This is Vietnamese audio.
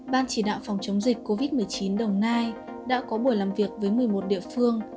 ban chỉ đạo phòng chống dịch covid một mươi chín đồng nai đã có buổi làm việc với một mươi một địa phương